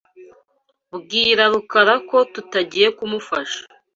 Bwira Rukara ko tutagiye kumufasha.